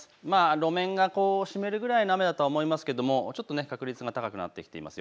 路面が湿るくらいの雨だとは思いますがちょっと確率が高くなってきています。